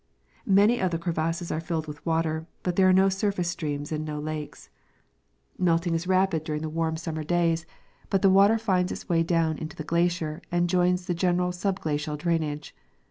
Many of the crevasses are filled with water, but there are no surface streams and no lakes. Melting is rapid during the warm The Malaspina Glacier. 187 •♦ summer days, but the water finds its way down into the glacier and joins the general subglacial drainage.